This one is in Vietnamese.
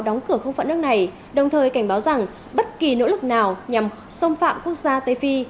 đóng cửa không phận nước này đồng thời cảnh báo rằng bất kỳ nỗ lực nào nhằm xâm phạm quốc gia tây phi